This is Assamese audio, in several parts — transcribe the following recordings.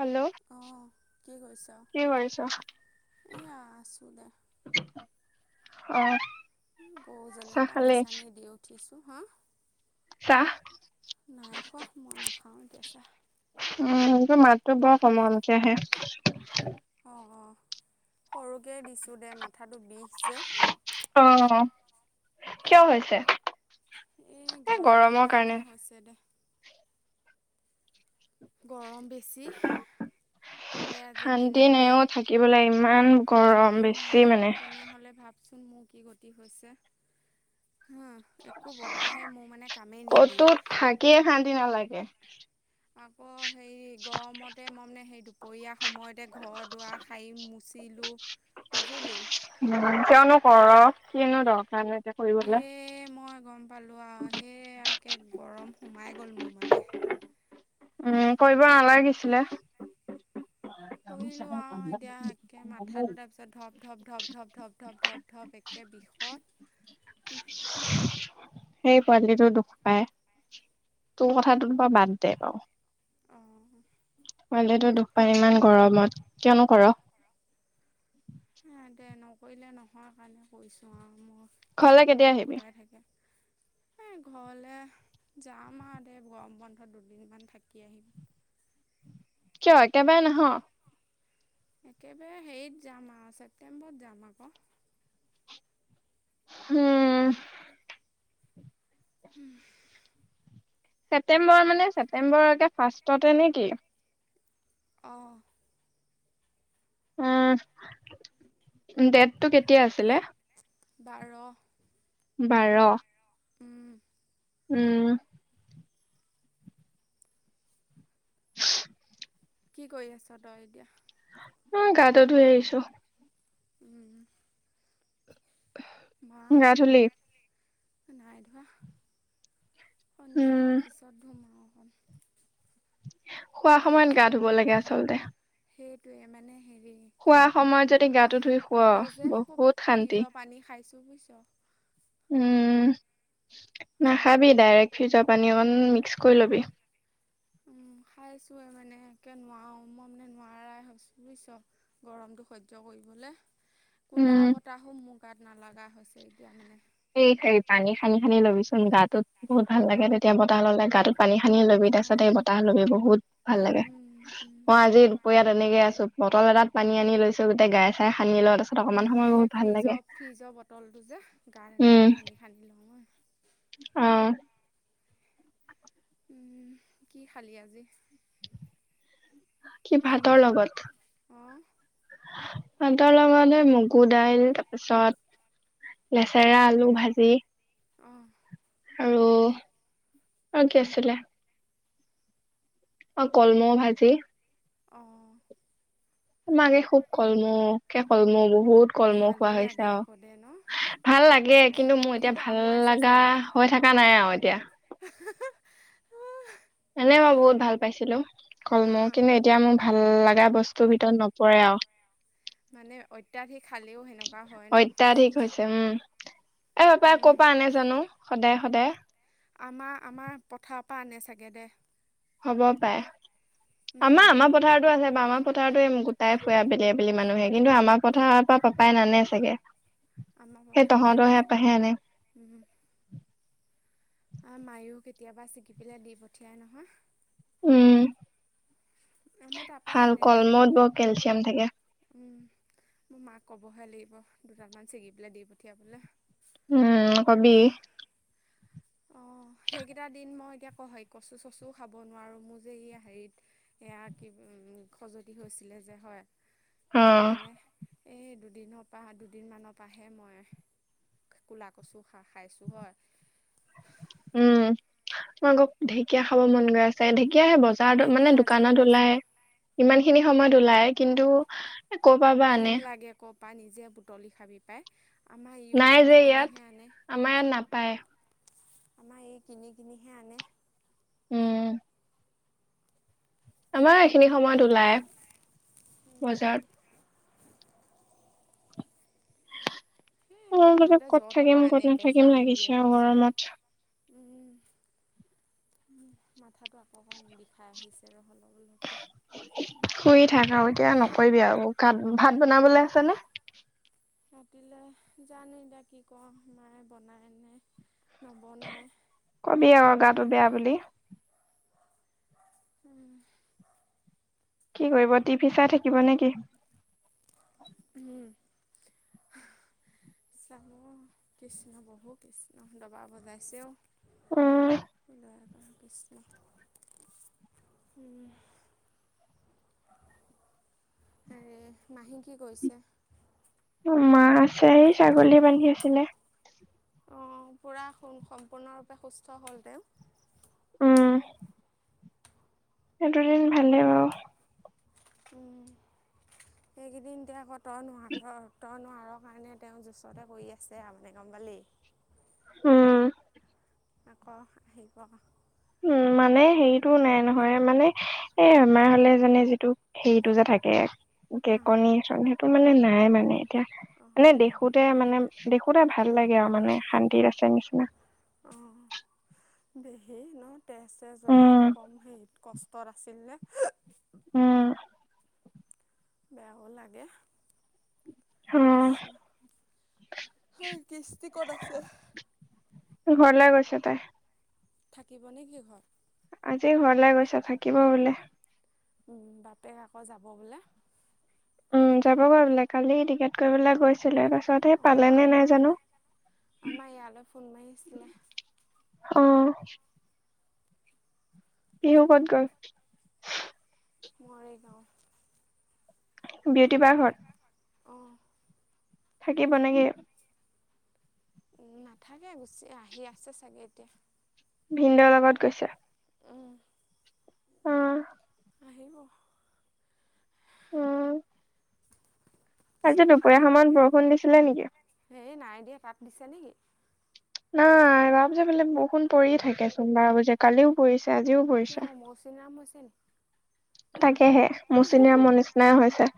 হেল্ল' অঁ কি কৰিছ কি কৰিছ? এয়া [inaudible] অ। গৰুজনীক চাহ খালি? পানী-চানী দি উঠিছোঁ। হুমহ চাহ মই নাখাওঁ এতিয়া চাহ উম, টোৰ মাতটো বৰ কোমলকে আহে। অঁ, অঁ, সৰুকে দিছোঁ দে মাথাটো বিষ যে অ', কিয় হৈছে? এই এ গৰমটোৰ গৰমৰ কাৰণে হৈছে দে। গৰম বেছি তাতে আজি শান্তি দিনতে নাই অ', থাকিবলৈ ইমান গৰম শান্তি বেছি নাই মানে। তেনেহলে ভাব চোন মোৰ কি গতি হৈছে হা একো বতাহে মোৰ মানে কামেই নিদিয়ে ক'তো থাকিয়ে শান্তি নালাগে। আপ। [inaudible] গৰমতে মই মানে সেই দুপৰীয়া সময়তে ঘৰ দুৱাৰ শাৰী মুচিলোঁ বুজিলি? উম, কিয়নো কৰ কিনো দৰকাৰণো এতিয়া কৰিবলে। এ মই গম পালো আ সেই আকে গৰম সোমাই গ'ল মো মানে উম, কৰিব নালাগিছিলে কৰিলো আও এতিয়া একে মাথাটো তাৰপিছত ধপ- ধপ ধপ- ধপ -ধপ -ধপ -ধপ -ধপ এক কে বিষত [inaudible] সেই পোৱালিটো দুখ পায়, তোৰ কথাটোত বাও বাদ দে বাউ অঁ পোৱালীটো দুখপাই ইমান গৰমত কিয়নো কৰ? তাকে নকৰিলে নহয় সেইকাৰণে কৰিছোঁ আৰু মোৰ ঘৰলে চকু কেতিয়া কোট আহিবি? কোটাই থাকে এ ঘৰলে যাম আৰু দে, গৰম বন্ধত দুদিনমান থাকি আহিম। কিয় একে বাৰে নাহ'? একেবাৰে হেৰিত যাম আৱ ছেপ্তেম্বৰত যাম আক হুম। [inaudible] ছেপটেম্বৰ মানে ছেপ্টেম্বৰ এতিয়া ফাৰ্ষ্টতে নে কি? অহ। উম ডেটটো কেতিয়া আছিলে? বাৰ। বাৰ। উম। উম। কি কৰি আছ তই এতিয়া? মই গাতো ধুই আহিছোঁ। উম। গা ধুলি? নাই ধুৱা। সন্ধিয়া হোৱা উম পিছত ধুম আৱ [inaudible] শুৱা সময়ত গা ধুব লাগে আচলতে। সেইটোৱে মানে সেই শুৱা সময়ত যদি গাটো ধুই শুৱ বহুত শান্তি। চ বুইছ। উম। নাখাবি ডাইৰেক্ট ফ্ৰিজৰ পানী অকণ মিক্স কৰি লবি। খাইছোয়ে মানে একে নোৱাৰো মই মানে নোৱাৰাই হৈছো বুজিছ গৰমটো সহ্য কৰিব। লে উম কুলাৰৰ বতাহো মোৰ গাত নালাগা হৈছে এতিয়া মানে। সেই সেই পানী সানি সানি ল'বিচোন গাটোত বহুত ভাল লাগে তেতিয়া বতাহ ল'লে গাটোত পানী সানি লবি। তাৰপাছত সেই অঁ বতাহ লবি বহুত ভাল লাগে। উম উম। মই আজি দুপৰীয়া তেনেকে আছো। বটল এটাত পানী আনি লৈছো গোটেই গাই- চাই সা মই সেই ফ্ৰিজৰ ফ্ৰিজৰ বটলটো যে গাত উম এনেকে সানি সানি লওঁ এ। অ। উম, কি খালি আজি? কি ভাতৰ লগত? অঁ ভাতৰ লগতে এ মগু দাইল তাৰপিছত লেচেৰা, আলু ভাজি অ। আৰু আৰু কি আছিলে? অ কলমৌ ভাজি অ। মানে খুব কলমৌকে কলমৌ বহুত কলমৌ ভালো খোৱা হৈছে লাগে আৰু। আকৌ দে ন ভাল লাগে কিন্তু মোৰ এতিয়া ভাল লাগা হৈ থকা নাই আউ হে-হে-হে উ এনে মই বহুত ভাল পাইছিলোঁ কলমৌ অঁ কিন্তু এতিয়া মোৰ ভাল লাগা বস্তুৰ ভিতৰত নপৰে আউ। মানে অত্যাধিক খালেও সেনেকুৱা হয় ন। অত্যাধিক হৈছে উম এ পাপাই ক'ৰ উম, পৰা আনে জানো সদায় সদায়। আমাৰ আমাৰ পথাৰ পৰা আনে চাগে দে। হ'ব পাৰে। উম, আমাৰ আমাৰ পথাৰতো আছে। বা আমাৰ পথাৰতো উম গোটাই ফুএ আবেলি আবেলি মানুহে কিন্তু আমাৰ পথাৰৰ পৰা পাপাই নানে চাগে। আমাৰ সেই পঠাৰৰ পৰা তহঁতৰ আনে, সেই পৰাহে উম। মায়ো কেতিয়াবা ছিগি পেলাই দি পঠিয়াই নহয়। উম আমাৰ তাৰপৰাই ভাল আনে দে কলমৌত বহুত কেলচিয়াম থাকে। উম, মোৰ মাক ক'বহে লাগিব দুডালমান ছিগি পেলাই দি পঠিয়াবলে। অহ কবি। অ সেইকেইটা দিন মই এতিয়া হয় কচু চচুও খাব নোৱাৰো মোৰ যে ই হেৰি এয়া কি উম খজতি হৈছিল। যে হয় অ সেইটো কাৰণে এই দুদিনৰ পা দুদিনমানৰ পৰাহে মই কলা কচু খা খাইছো হয়। উম, মোৰ আকৌ ঢেকীয়া খাব মন গৈ আছে ঢেক কিয়াহে বজাৰত মানে ঢেকীয়া আজি দোকানত ওলাই, খাইছোঁ ইমান খিনি সময়ত ওলায়, কিন্তু ক'ৰ পৰা বা আনে ঘিণ লাগে ক'ৰ পৰা নিজে বুটলি খাবি পায়। নাই যে ইয়াত, আমাৰ ইয়াত নাপায়। আমাৰ এই কিনি কিনিহে আনে। উম আমাৰ এইখিনি সময়ত ওলাই, বজাৰত। সেই মোৰ বোলো সিহঁতে ক'ত য'ৰ ত'ৰ পৰা থাকিম আনে ক'ত বেচা নাথাকিম বুলিয়ে লাগিছে আৰু বুজিছ গৰমত। উম উম, উম মাথাতো আকৌ অকণ বিষাই আহিছে ৰ হল শুই থাক আৰু এতিয়া ন কৰিবি আৰু। কাত ভাত বনাবলে আছে নে? ৰাতিলে জানো এতিয়া কি কৰো মায়ে বনাইনে কবি আৰু গাটো বেয়া বুলি। [inaudible] কি কৰিব টিভি চাই থাকিব নে কি? উম। [unintelligible] [unintelligible] কৃষ্ণ বহু কৃষ্ণ দবা বজাইছে ঔ। উম [unintelligible] বিষ্ণু, উম। [unintelligible] মহি কি কৰিছে? মা আছে, এই ছাগলী বান্ধী আছিলে। অ', পূৰা সম্পূৰ্ণৰূপে সুস্থ হ'ল তেওঁ? উম। সেইটো দিন ভালেই বাৰু। উম, এইকেইদিন দে আকৌ তই নোৱা তই নোৱা ঘৰৰ কাৰণে তেওঁ জুচতে কৰি আছে আৰু মানে গম পালি? উম আকৌ আহিব। উম মানে হেৰিটোও নাই নহয় মানে এ আমাৰ হলে যেনে যিটো সেইটো যে থাকে অঁ কেকনিৰ চন সেইটো মানে নাই মানে। এয়া অঁ মানে অঁ দেখোতে মানে দেখোতে ভাল লাগে আৰু মানে শান্তিত আছে নিচিনা। অহ দে হেৰি ন তেজ চেজ উলাই উম সেইটো কম হেৰিত কচ ত'ৰ আছিল যে উম। বেয়াও লাগে। অ [unintelligible] কিস্তি ক'ত আছে? ঘৰলে গৈছে তাই। থাকিবনে কি ঘৰত? আজি ঘৰলে গৈছে, থাকিব বোলে। ও বাপেক আক' যাব বোলে। উম, যাবগৈ বোলে। কালি টিকেট কৰিবলৈ গৈছিলে তাৰপিছত সেই পালে অ', নে নাই জানো আমাৰ-আমাৰ ইয়ালে ফোন মাৰিছিলেহ। অ'। ইহু ক'ত গল? মৰিগাঁও। বিউটি বাৰ ঘৰত। অ'। থাকিব নেকি? নাথাকে গুচি আহি আছে চাগে এতিয়া। ভিন্দোৰ লগত গৈছে। উম, অ। আহিব। উম। আজি চাহ দুপৰীয়া সময়ত বৰষুণ দিছিলে নেকি? এই নাই দিয়া। তাত দিছে নেকি? নাই বাইফালে বৰষুণ পৰি থাকেচোন বাৰ বাজে কালিও পৰিছ- কিয় মৌচিন ৰাম হৈছে নি তাকেহে মৌচিনে মোৰ নিচিনাই হৈছে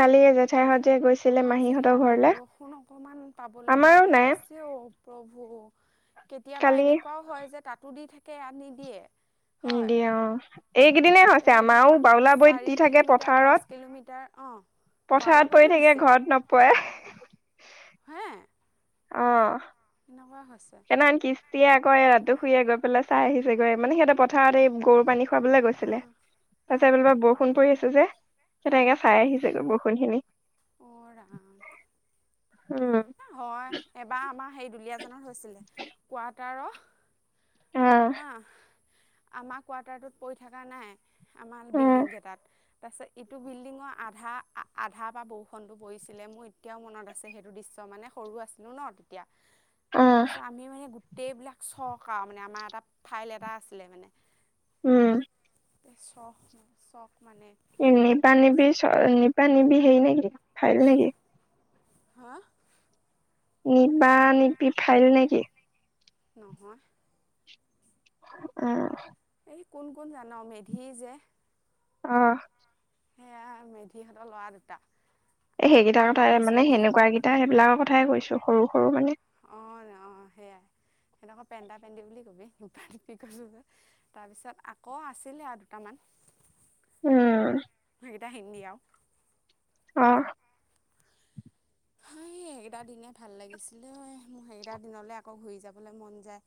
কালিয়ে জেঠাই হত আমাৰ যে ইয়াত বৰষুণ অকমান পাবলৈ আমাৰো নাইকিয়া নাই হৈছে অ প্ৰভু। কেতিয়াবা কালি এনেকুৱাও হয় যে তাতো দি থাকে ইয়াত নিদিয়ে। হয় নিদিয়ে অ এইকেইদনে হৈছে এই আমাৰো ধৰ বাওলা বাৰিত চাৰি দি থাকে কিলোমিটাৰ পাঁচ পথাৰত। কিলোমিটাৰ অঁ পথাৰত পৰি বাউলাবৰিতো থাকে দিছে ঘৰত নপৰে। হে অ এনেকুৱা হৈছে সেনাখন কিস্তিয়ে আকৌ ৰাতুখুড়ীযে গৈ পেলাই চাই আহিছে গৈ মানে সিহঁতে পথাৰতে গৰু পানী ফুৱাবলে গৈছিলে। অহ তাৰপিছত অহ সেইফালৰ পৰা বৰষুণ পৰি আছে যে অঁ সেতেগে চাই আহিছেগৈ বৰষুণ খিনি। [inaudible] অঁ ৰাম হয় এবাৰ আমাৰ সেই দুলীয়াজনৰ হৈছিলে কোৱাৰ্টাৰ আহ হা আমাৰ কোৱাৰ্টাৰটোত পৰি থকা নাই। আমাৰ উম বিল্ডিং কেইটাত তাৰপিছত ইটো বিল্ডিঙৰ আধা আধা পা বৰষুনটো পৰিছিলে মোৰ এতিয়াও মনত আছে সেইটো দৃশ্য। মানে সৰু আছিলো ন তেতিয়া আহ তাৰপিছত আমি মানে গো- টেইবিলাক চক আও, মানে আমাৰ এটা ফাইল এটা আছিলে মানে। উম। শ্বখ ন' শ্বখ নিবা নিবি চ নিবা নিবি হেই নেকি ফাইল নেকি? হা। নিবা নিবি ফাইল নেকি? নহয়। অ। কোন কোন জান মেধি যে অ সেয়া মেধিহঁতৰ ল'ৰা দুটা এ সেইকেইটাৰ আমাৰ কথাই মানে দুজনী সেনেকুৱা কেইটা সেইবিলাকৰ কথাই কৈছো সৰু সৰু মানে [inaudible] সিহঁতঘৰ পেণ্টা পেটি বুলি কবি, নিবি নিবি কৈছ যে তাৰপিছত আকৌ আছিলে আৰু দুটামান উম সেইকেইটা হিন্দী আও অ [inaudible] সেইগেটা দিনে ভাল লাগিছিলে ঐ মো সেইগেইটা দিনলে আকৌ ঘূৰি যাবলৈ মন যায়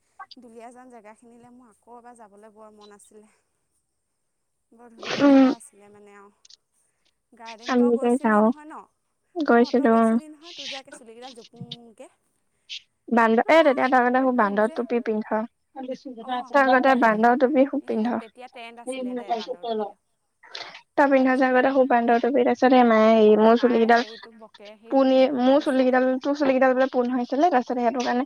দুলিয়াজান যা- জেগাখিনিলে মো আকৌ এবাৰ যাবলে বৰ মন আছিলে। [inaudible] বৰ ধুনীয়া উম জেগা আছিলে মানে আও। গাৰ্ডেন আমি তই যে গৈছিলি যাও নহয় ন। অ গৈছিলো তই গৈছিলি নহয় তোৰ যে একে চুলি গেডাল জোপুং মোংকে। [inaudible] বান্দ এ তেতিয়া তই মানে সুব বান্দ যে টোপি পিন্ধ, অঁ তই আগতে হেৰি বান্দ টোপি খুব এই পিন- তেতিয়া ট্ৰেণ্ড আছিলে। দে [unintelligible] বান্দৰটোপিয়া তই পিন্ধা যে তাৰপিছত আগতে সৰু বান্দৰ টুপি তাৰপিছত সেই মায়ে অঁ হেৰি পিন্ধো মোৰ মায়ে চুলিকিডাল হেৰিটো বকে সেইজনী পোনে যোন মো তোৰ দেখিছ চুলি কেইডাল- তোৰ চুলি কেইডাল বোলে পোন হৈছিলে। তা তাতে সেইটোৰ কাৰণে।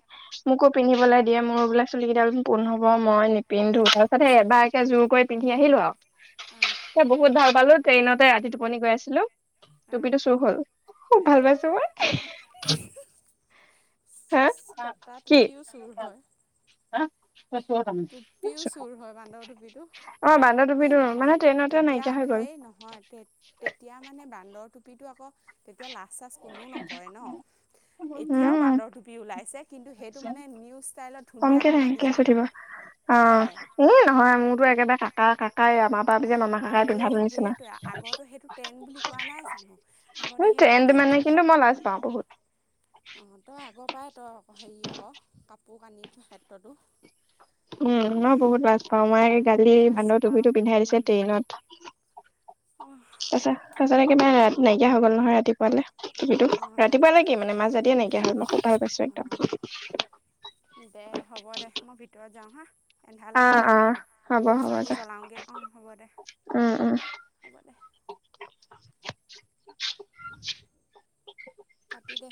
মোকো পিন্ধিবলৈ দিয়ে, মোৰো বোলে চুলি কেইডাল পোন হব। মই নিপিন্ধো। তাৰ পাছতহে বায়েকে জোৰ কৰি পিন্ধি আহিলোঁ আও। এ বহুত ভাল পালোঁ। ট্ৰেইনতে ৰাতি টোপনি গৈ আছিলোঁ। টুপিটো চুৰ হ'ল। খুব ভাল পাইছোঁ মই। হঁ। ছিছ্ কটা, টুপিও চুৰ হয়। [unintelligible] অ' বান্দৰ টুপিও চুৰ হয় বান্দৰ টুপিটো টুপিটো, মানে ট্ৰেইনতে নাইকিয়া হৈ গ'ল। এ নহয়। তেত- তেতিয়া মানে বান্দৰ টুপিটো আকৌ তে এতিয়া লাজ-চাজ কোনো নকৰে ন'। এতিয়াও উম বান্দৰ টুপি ওলাইছে। কিন্তু সেইটো মানে নিউ ষ্টাইলত ধুনীয়া কমকে - ধুনীয়া কেচ ডিজাইনৰ। উঠিব অ' এই নহয়, মোৰতো একেবাৰে কাকা- কাকাই আমা আৰে সেইটোৱে। আগতো সেইটো টেন বুলি কোৱা নাই জানো? আগতে সেইবিলাকে মই কিন্তু মই লাজ পাওঁ বহুত। অ' তই আগৰ পৰাই তই অক- হেৰি আক', কাপোৰ-কানি ক্ষেত্ৰতো উম, মই বহুত লাজ পাওঁ। মই গালি লাজ বান্দৰ পাওঁ টুপিটো পিন্ধাই দিছে ট্ৰেইনত। অঁ তাছত- তাৰছত একেবাৰে ৰাতি নাইকিয়া হৈ গ'ল নহয়, ৰাতিপুৱালে। সেইটো। অঁ ৰাতিপুৱালে কি মানে, মাজ ৰাতিয়ে নাইকিয়া হ'ল। মই খুব ভাল পাইছোঁ অঁ একদম। দে, হ'ব দে। মই ভিতৰত যাওঁ হা। এন্ধাৰ অ লাগিলে অ যে, হ'ব হ'ব দে ধূপ-চাকি জ্বলাওঁগে। অ' হ'ব দে। উম উম হ'ব দে। [unintelligible] কাটি দে।